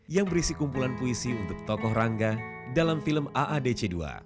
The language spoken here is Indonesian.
yang berisi kumpulan puisi untuk tokoh rangga dalam film aadc dua